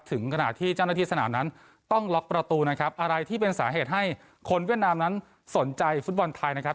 ขณะที่เจ้าหน้าที่สนามนั้นต้องล็อกประตูนะครับอะไรที่เป็นสาเหตุให้คนเวียดนามนั้นสนใจฟุตบอลไทยนะครับ